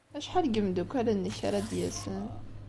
Acḥal n yimeddukal-nnek ara d-yasen?